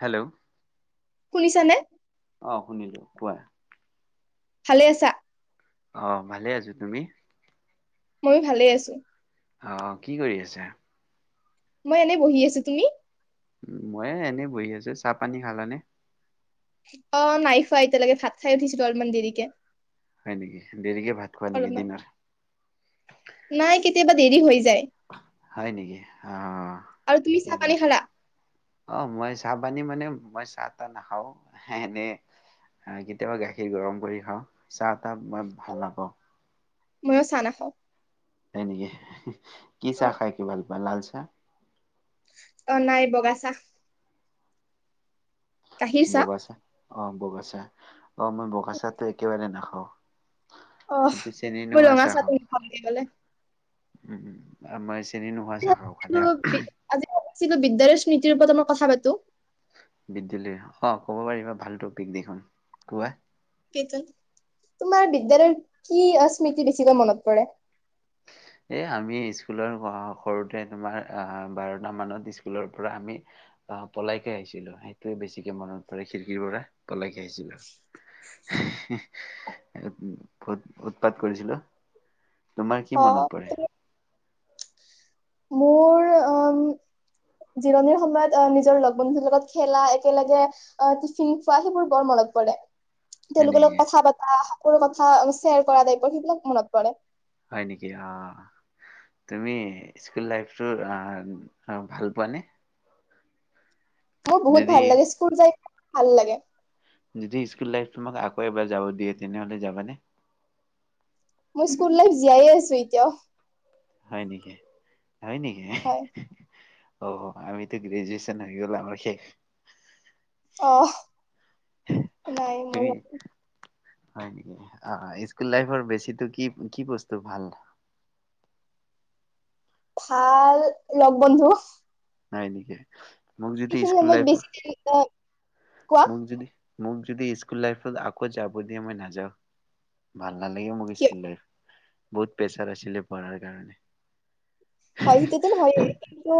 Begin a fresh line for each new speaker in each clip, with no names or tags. Hello,
শুনিছানে
অ শুনিলো কোৱা
ভালে আছা
অহ ভালে আছো তুমি
ময়ো ভালে আছো
অহ কি কৰি আছে
মই এনে বহি আছো তুমি
উ মই এনেই বহি আছো চাহ পানী খালানে
অ নাই খোৱা এতিয়ালৈকে ভাত খাই উঠিছিলো অলমান দেৰিকে
হয় নেকি দেৰিকে ভাত খোৱা নেকি
অলপমান।
দিনৰ
নাই কেতিয়াবা দেৰি হৈ যায়।
হয় নেকি অ
আৰু তুমি
স
চাহ পানী খালা?
অ মই চাহ পানী মানে মই চাহ তাহ নাখাও এনে কেতিয়াবা গাখীৰ গৰম কৰি খাওঁ চাহ তাহ মই
অ,
ভাল নাপাও
ময়ো চাহ নাখাও
হয় নেকি কি
অ
চাহ খাই কি ভাল পোৱা? লাল চাহ চাহ
অ নাই বগা চাহ।
বগা চাহ অ বগা চাহ। অ মই বগা চাহটো একেবাৰে নাখাও।
অহ মই ৰঙা চাহটো নাখাও বুলি ক'লে
উম উম আম [unintelligible]
[unintelligible] কিবা বিদ্যালয়ৰ স্মৃতিৰ ওপৰত অলপ কথা পাতো?
বিদ্যালয় অ ক'ব পাৰিবা ভালটো পিকনিকখন কোৱা
সেই টোন তোমাৰ বিদ্যালয়ৰ কি স্মৃতি বেছিকৈ মনত পৰে?
এ আমি স্কুলৰ সৰুতে তোমাৰ আহ বাৰটা মানত স্কুলৰ পৰা আমি আহ পলাই কে আহিছিলো সেইটোৱে বেছিকে মনত পৰে খিৰিকীৰ পৰা পলাই কে আহিছিলো উ বহুত উৎপাত কৰিছিলো। তোমাৰ কি
অ
মনত? পৰে?
মোৰ জিৰণিৰ সময়ত নিজৰ লগ বন্ধুৰ লগত খেলা একেলগে টিফিন খোৱা সেইবোৰ বৰ মনত পৰে।
হয়
তেওঁলোকৰ
নেকি?
লগত কথা পাতা লোকৰ কথা শ্বেয়াৰ কৰা টাইপৰ সেইবিলাক মনত পৰে।
হয় নেকি অ তুমি স্কুল লাইফটো ভাল পোৱানে
মোৰ বহুত
যদি
ভাল লাগে স্কুল যাই ভাল লাগে
যদি স্কুল লাইফ তোমাক আকৌ এবাৰ যাব দিয়ে তেনেহ'লে যাবানে?
মই স্কুল লাইফ জীয়াইয়ে আছোঁ এতিয়াও।
হয় নেকি? হয় নেকি?
হয়
অ, আমিতো গ্ৰেজুৱেচন আহি গ'লো আমাৰ শেষ
অ। নাই
তুমি
মোৰ।
হয় নেকি? আহ স্কুল লাইফৰ বেছিটো কি কি বস্তু ভাল?
ভাল লগ বন্ধু।
হয় নেকি? মোক
সেই
যদি
খিনি
স্কুল
সময়ত
লাইফ
বেছি দিন অ কোৱা?
মোক যদি মোক যদি স্কুল লাইফত আকৌ যাব দিয়ে মই নাযাওঁ। ভাল- নালাগে মোক
কিয়
স্কুল লাইফ। বহুত প্ৰেছাৰ আছিলে পঢ়াৰ কাৰণে।
হয়, সেইটো টো হয়েই। কিন্তু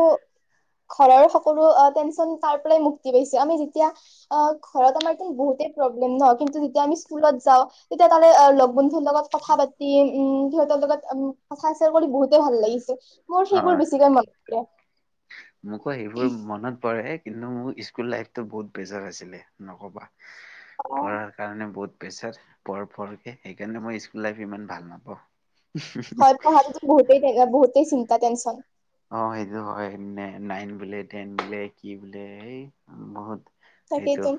ঘৰৰ সকলো অ টেনচন পাই পেলাই মুক্তি পাইছে। আমি যেতিয়া অ ঘৰত আমাৰ টো বহুতেই প্ৰব্লেম ন, কিন্তু যেতিয়া আমি স্কুলত যাওঁ তেতিয়া তাৰে লগ বন্ধুৰ লগত কথা পাতি। উম সিহঁতৰ লগত কথা চেয়াৰ কৰি বহুতে ভাল লাগিছিল। মোৰ সেইবোৰ
অ
বেছিকে মন। পৰে। [unintelligible]
মোকো সেইবোৰ মনত পৰে কিন্তু মোৰ স্কুল লাইফটো বহুত বেজাৰ আছিলে। নক'বা,
অ
পঢ়াৰ কাৰণে বহুত পেছাত পঢ় পঢ়কে, সেইকাৰণে মই স্কুল লাইফ ইমান ভাল নাপাওঁ।
হয় পাহাৰাটো বহুতেই জেগা বহুতেই চিন- এটেনশন
অ সেইটো হয়। নে নাইন বোলে, টেন বোলে, কি বোলে এই বহুত
তাকেই
সেইটো
তো,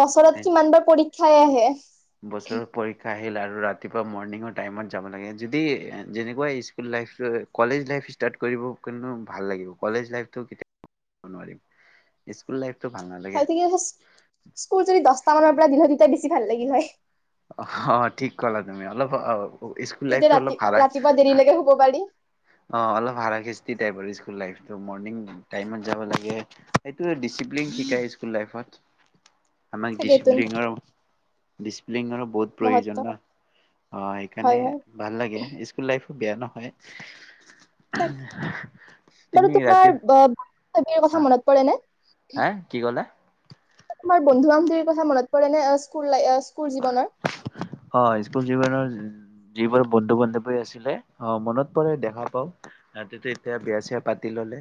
বছৰত কিমানবাৰ পৰীক্ষা খাই আহে।
বছৰত পৰীক্ষা আহিল আৰু আৰু ৰাতিপুৱা মৰ্ণিঙৰ টাইমত যাব লাগে, যদি যেনেকুৱাই school life college life start কৰিব কিনো ভাল লাগিব। কলেজ লাইফটো কেতিয়াও নোৱাৰিম। স্কুল -
হয়ত কি স্কুল যদি দছটা মানৰ পৰা দিলে সেতি, তেতিয়া - ভাল লাগিল হয়।
অ ঠিক ক'লা তুমি। অলপ স্কুল
তেতিয়া
লাইফটো
ৰাতি,
অলপ হাৰা
ৰাতিপুৱা দেৰিলৈকে শুব পাৰি।
অ অলপ হাৰাসিচ্তি টাইপৰ স্কুল লাইফটো, মৰনিং টাইমত যাব লাগে, সেটো ডিচিপ্লিন শিকাই স্কুল লাইফত। আমাক
তাকেইতো
ডিচিপ্লিনৰ ডিচিপ্লিনৰ বহুত
মহত্ব
প্ৰয়োজন ন? অ
হয়
সেইকাৰণে
হয়
ভাল লাগে স্কুল লাইফ বেয়া নহয়।
বাৰু
তুমি ৰাতি
তোমাৰ বা- বিৰ কথা মনত পৰে ন? [unintelligible]
হে কি ক'লে?
বন্ধু বান্ধৱীৰ কথা মনত পৰে? স্কুল লাই এ-
অ স্কুল জীৱনৰ- যিবোৰ বন্ধু বান্ধৱী আছিলে, অঁ মনত পৰে দেখা পাও। তহতেএতিয়া বেয়া চেয়া পাতি ললে।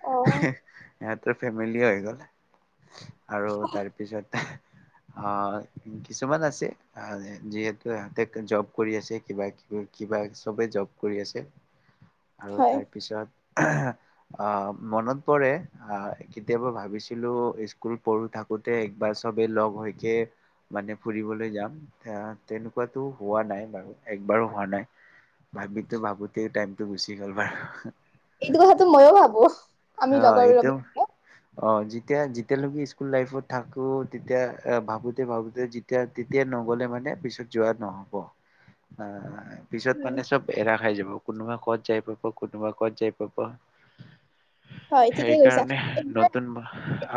অ',
এত [unintelligible] ফেমেলি হৈ গল। আৰু তাৰ পিছত হা' কিছুমান আছে যিহেতু ইহঁতে জব কৰি আছে কিবািব কিবা চবে জব কৰি আছে। আৰু
হয়।
তাৰ পিছত অঁ মনত পৰে, আ কেতিয়াবা ভাবিছিলো স্কুল পঢ়ো থাকোতে একবাৰ চবেই লগ হৈ মানে ফুৰিবলৈ যাম, তেনেকুৱাতো হোৱা নাই বাৰু একবাৰো হোৱা নাই ভাবিতে ভাবোতে টাইমটো গুচি গল বাৰু।
এইটো কথাটো ময়ো ভাবো আমি
অঁ
লগৰ
এইটো,
লগে।
অঁ জিতয়া জি এতিয়ালৈকে স্কুল লাইফত থাকো তেতিয়া ভাবোতে ভাবোতে যেতিয়া তেতিয়া নগ'লে মানে পিছত যোৱা নহ'ব। পিছত
হয়,
মানে চব এৰা খাই যাব। কোনোবা কত যায় পাব কোনোব কত যায় পাব
হয় ঠিকেই কৈছা।
সেইকাৰণে
একবাৰ
নতুন,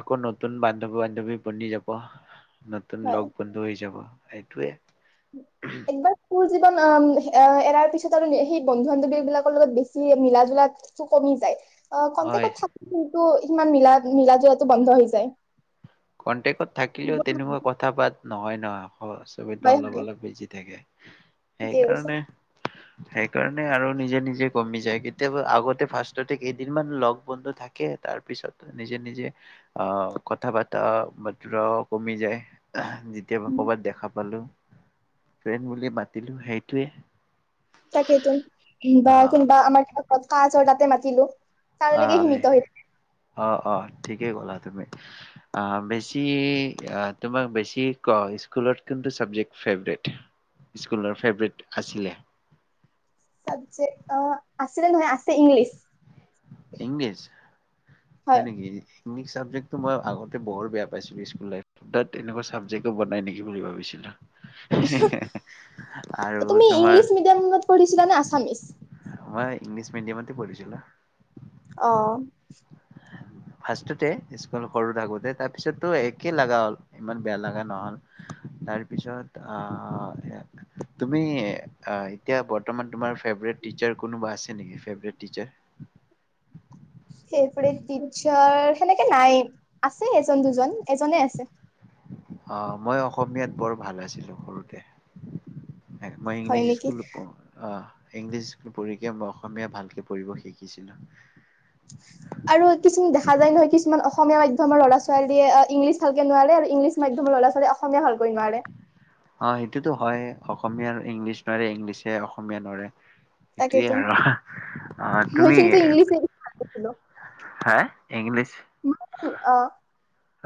আকৌ নতুন ব আপ [unintelligible] পুনিজপ [unintelligible] নতুন
হয়।
লক বন্ধ হৈ যাব। এইটোৱে।
একবাৰ কু জীৱন, এ' এৰাৰ পিছত আৰু সেই বন্ধু বান্ধৱী বিলাকৰ লগত বেছি মিলা জলাটো কমি যায়। অঁ
হয়।
কন্তেক'ত থাকু। টো ইিমান মিলা মিলা জলাতটো বন্ধ হৈ যায়।
কণ্টেক্টত থাকিলেও তেনেকুৱা কথা পাত নহয় নহয়। অঁ চবি
হয়,
অলপ
হয়
অলপ বিজি থাকে,
ঠিকেই কৈছা।
সেইকাৰণে সেইকাৰণে আৰু নিজে নিজে কমি যায়, কেতিয়াবা আগতে ফাৰ্ষ্টতে কেইদিনমান লগ বন্ধু থাকে তাৰ পিছত নিজে নিজে অঁ কথা পা বাতৰাও কমি যায়, যেতিয়া
উম।
ক'ৰবাত দেখা পালো ট্ৰেইন বুলি মাতিলো, সেইটোৱে।
তাকে তুন,
অ
বা কুনবা আমাৰ কটকাচ তাতে মাতিলো তাৰলৈকে
অঁ সেই,
সীমিত হৈ
অঁ-অঁ ঠিকেই ক'লা। বেছি, তোমাক বেছি ক স্কুল'ৰ কুন্টু চাবজেক্ট ফেভৰেট, স্কুল'ৰ ফেভৰেত আছিলে?
চাবজেক্ট, অঁ আছিলে নহয়, আছে ইংলিছ।
ইংলিছ! হয় নিকি? [unintelligible] ক্ মই আগতে বৰ বেয়া পাইছিলো [unintelligible] স্ুলাত একুৱাাবেক বনাই নেকি বুলি ভাবিছিলো। আৰু
তুমি
তোমাৰ
ইংলিছ মিডিয়ামত পঢ়িছিলাানে আছামিছ?
আমাৰ ইংলিছ মিডিয়ামতে পঢ়িছিলো।
অঁ।
ফাষ্টটে স্কুল সৰু থাকোতে তাৰপিছতো একে লগা হ'ল, ইমান বেয়া লগা নহ'ল, তাৰপিছত আহ তুমি এতিয়া বৰ্তমান তোমাৰ ফে ফেভৰেট টিচাৰ কোনোবা আছে নেকি ফেভৰেট টিচাৰ
ফেভেৰেট টিচাৰ সেনেকে নাই আছে এজন দুজন এজনে আছে।
অ মই অসমীয়াত বৰ ভাল আছিলো সৰুতে। মই
হয়
ইংলিছ
নেকি
স্কুলত পঢ় আ ইংলিছ পঢ়িকে মই অসমীয়া ভালকে পঢ়িব শিকিছিলো।
ত আমাৰ ল'ৰা ছোৱালীয়ে ইংলিছ ভালকে নোৱাৰে আৰু ইংলিছ মাধ্যমৰ ল'ৰা ছোৱালী অসমীয়া হ'ল।
অ সেইটোতো হয় অসমীয়াৰ ইংলিছ নোৱাৰে ইংলিছে অসমীয়া নোৱাৰে সেইটোৱে
তাকেইতো
আৰু অহ
মই
তুমি
কিন্তু ইংলিছ ভাল পাইছিলো
হা ইংলিছ
অ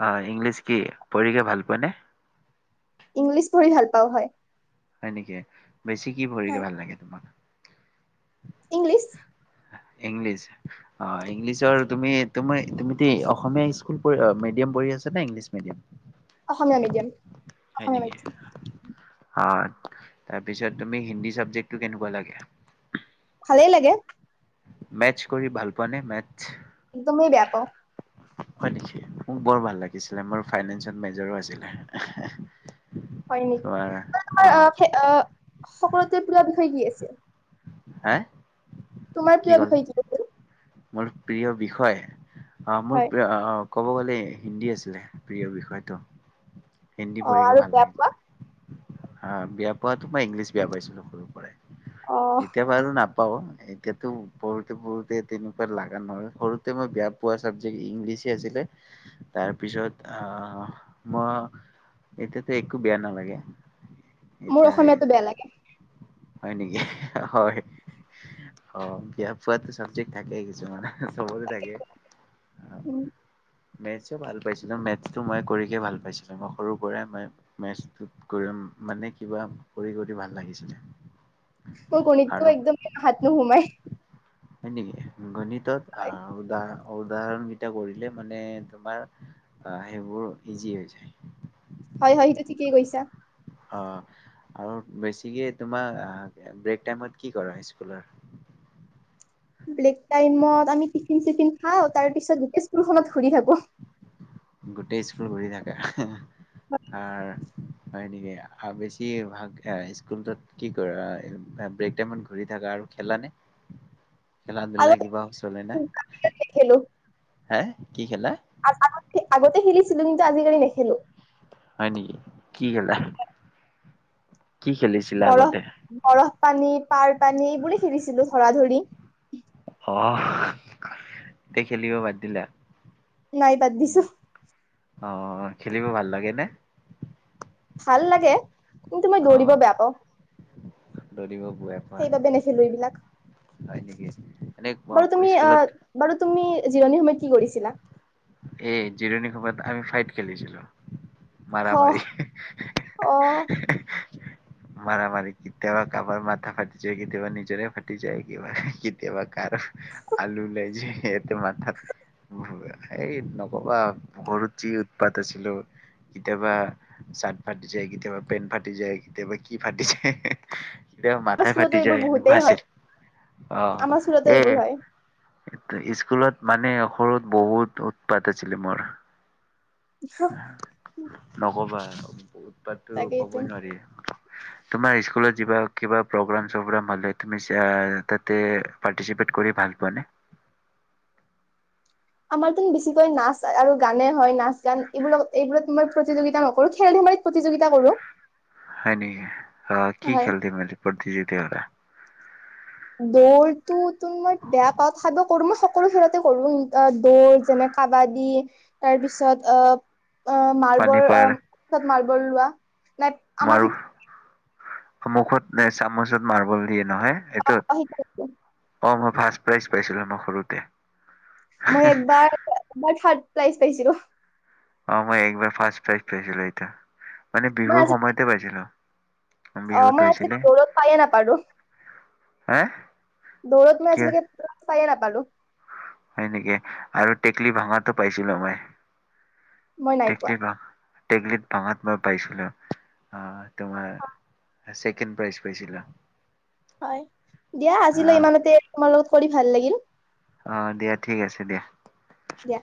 অ ইংলিছ কি পঢ়িকে ভাল পোৱা নে?
ইংলিছ পঢ়ি ভাল পাওঁ হয়
হয় নেকি বেছি কি ভৰিকে ভাল লাগে তোমাক
ইংলিছ
ইংলিছ অ ইংলিছৰ তুমি তুমি তুমি টি অসমীয়া স্কুল পঢ় অ মিডিয়াম পঢ়ি আছ নে ইংলিছ মিডিয়াম
অসমীয়া মিডিয়াম
হয়
অসমীয়া
নেকি
মিডিয়াম
অ তাৰপিছত তুমি হিন্দী চাবজেক্টটো কেনেকুৱা লাগে
ভালেই লাগে।
মেথচ কৰি ভাল পোৱা নে মেথচ?
একদমেই বেয়া পাওঁ
হয়নেকি মোৰ বৰ ভাল লাগিছিলে মোৰ ফাইনেঞ্চত মেজৰো আছিলে এহ হে হে
হয় নেকি, মই তোমাৰ অ ফে অ সকলোতে পোৰা বিষয়ে কি আছে?
হেএ
তোমাৰ প্ৰিয় বিষয় কি আছিল?
মোৰ প্ৰিয় বিষয় অ মোৰ
হয়
প্ৰিয় অ ক'ব গ'লে হিন্দী আছিলে প্ৰিয় বিষয়টো।
অ আৰু তাপা
হা বেয়া পোৱাত মই ইংলিছ বেয়া পাইছিলোঁ
অ
[unintelligible] ইতিয়াপা এটো নাপ পাওঁ এতিয়াতো পঢ়োতে পঢ়োতে তেনেকুৱা লগা নহয়, সৰুতে মই বেয়া পোৱা চাবজেক্ট ইংলিছে আছিলে তাৰপিছত আহ মই এতিয়াতো একো বেয়া নালাগে।
মোৰ
এতিয়া
অসমীয়াটো বেয়া লাগে।
হয় নেকি হয় অ বিয়া পোৱাতো চাবজেক্ট থাকেই কিছুমানৰ চবৰে থাকে
উম,
মেথছো ভাল পাইছো ত মেথছটো মই কৰিকে ভাল পাইছো মই সৰুৰ পৰাই মই মেচ টো কৰি মানে কিবা কৰিবলে ভাল লাগিছিলে
প কনেকে একদম হাত নোসুমাই
হল নেকি লুলনি কত আহা উদা উদাহৰণকেইটা কৰিলে মানে তোমাৰ সেইবোৰ ইজি হৈ যায়
হয় হয় সেইটো ঠিকেই কৈছা
অ আৰু বেছিকে তোমাৰ ব্ৰেক টাইমত কি কৰা স্কুলৰ
বেক টাইমত আমি টিফিন চিফিন খাওঁ তাৰ পিছত গোটেই স্কুলখনত ঘুৰি থাকো
গোটেই স্কুল ঘুৰি থাকা অ হা আ হয় নেকি আ বেছি ভাগ স্কুলত কি কৰা ব্ৰেক টাইমত ঘূৰি থাকা আৰু খেলা নে খেলা দুলা
আগতে
কিবা চলে নে
আজিকালি
হে কি খেলা
আগ আগতে খেলিছিলো কিন্তু আজিকালি নেখেলো
হয় নেকি কি খেলা কি খেলিছিলা
বৰফ
আগতে
বৰফ পানীত পাৰ পানী এইবোৰে খেলিছিলো ধৰা ধৰি
অ এতিয়া খেলিব বাদ দিলা
নাই বাদ দিছো
উম অ খেলিব ভাল লাগে নে
ভাল লাগে কিন্তু মই
অ
দৌৰিব বেয়া পাও
দৌৰিব বোৱা পোৱা
সেইবাবে নেখেলো এইবিলাক
হয় নেকি এনে অ,
বাৰু তুমি আহ
স্কুলত
বাৰু তুমি জিৰণি সময় কি কৰিছিলা
এই জিৰণী খপাত আমি ফাইট খেলিছিলো
অ
মৰামৰি হি
অ
হি হি হি মাৰা মাৰি কিততাবা কাবাৰ মথা ফাটি যায় কিততাবা নজৰে ফাটি যায় কিবা কিততাবা কাৰ আলু লৈ যায় এ তো মথা এই নকবা সৰুত যি উৎপাত আছিলো কিতাবা চাৰ্ট ফাটি যায় কিতাবা পেন ফাটি যায় কিতাবা কি ফাটি যায় হে হে হে কিতাবা
আমাৰ
মাথাই
স্কুলতো
ফাটি
এইবোৰ
যায় এনেকুৱা
বহুতেই হয়
আছিল অ
আমাৰ স্কুলতো এইবোৰ হয়
এই স্কুলত মানে সৰুত বহুত উৎপাত আছিলো মোৰ নকবা [unintelligible] পাতটো
তাকেইতো
ক'বই নোৱাৰি তোমাৰ স্কুলত যিবা কিবা প্ৰগ্ৰাম চগ্ৰাম হলে তুমি চাই তাতে পাৰটিচিপেট কৰি ভাল পোৱা নে
আমাৰতো বেছিকৈ নাচ আৰু গানে হয় নাচ গান এইবোৰত এইবোৰত মই প্ৰতিযোগিতা নকৰো খেল ধেমালিত প্ৰতিযোগিতা কৰো
হয় নেকি আহ কি
হয়
খেলতি মেলি প্ৰতিযোগিতা পাতা
দৌৰটোতো মই বেয়া পাওঁ তথাপিও কৰো মই সকলো খেলতে কৰো দৌৰ যেনে কাবাডী তাৰপিছত অহ
পানী
মাৰ্বল
পাৰ
অথাৎ মা বল লোৱা নাই আমাক সি
অমুখত নে চামুচত মাৰ্বল দিয়ে নহয় এইটোত
শিক
কম হ ফাৰ্ষ্ট প্ৰাইজ পাইছিলো মই সৰুতে
মই একবাৰ মই থাৰ্ড প্ৰাইছ পাইছিলো
অ মই একবাৰ ফাৰ্ষ্ট প্ৰাইজ পাইছিলো এতিয়া মানে
মই
বিহুৰ
আজি
সময়তে পাইছিলো
অ
বিহুত
মই আজি দৌৰত পাইয়ে নাপাৰো
হে
দৌৰত মই আজিলৈকে পাইয়ে নাপালো
হয় নেকি আৰু টেকলি ভাঙাটো পাইছিলো মই
মই নাই পোৱা
টেকলি ভা টেকলিত ভাঙাত মই পাইছিলো অ তোমাৰ ছেকেণ্ড প্ৰাইজ পাইছিলা
হয় দিয়া আজিলৈ ইমানতে তোমাৰ লগত কৰি ভাল লাগিল
অ দিয়া ঠিক আছে দিয়া
দিয়া